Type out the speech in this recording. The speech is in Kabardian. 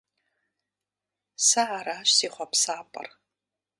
Сэ аращ си хъуапсапӀэр!